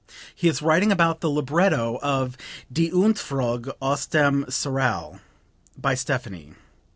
He is writing about the libretto of "Die Entfuhrung aus dem Serail," by Stephanie.